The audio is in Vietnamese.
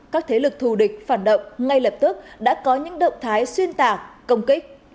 các thế lực thù địch phản động ngay lập tức đã có những động thái xuyên tả công kích